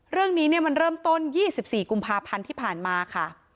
เรื่องนี้มันเริ่มต้น๒๔กุมภาพันธ์ที่ผ่านมาค่ะ